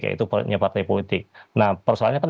yaitu partai politik nah persoalannya kan